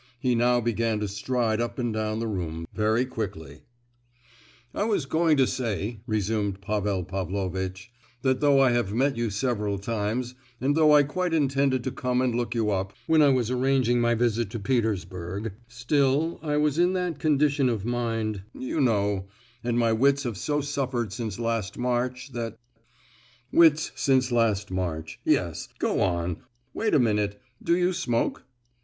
He now began to stride up and down the room, very quickly. "I was going to say," resumed Pavel Pavlovitch, "that though I have met you several times, and though I quite intended to come and look you up, when I was arranging my visit to Petersburg, still, I was in that condition of mind, you know, and my wits have so suffered since last March, that——" "Wits since last March,—yes, go on: wait a minute—do you smoke?"